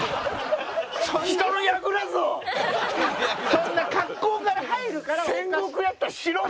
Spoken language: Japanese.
そんな格好から入るから。